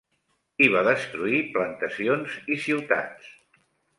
Qui va destruir plantacions i ciutats?